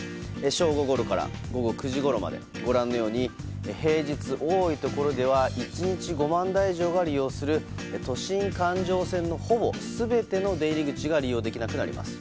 正午ごろから午後９時ごろまでご覧のように平日、多いところでは１日５万台以上が利用する都心環状線のほぼ全ての出入り口が利用できなくなります。